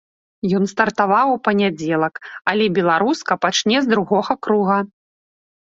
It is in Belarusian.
Ён стартаваў у панядзелак, але беларуска пачне з другога круга.